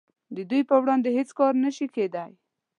د دوی په وړاندې هیڅ کار نشي کیدای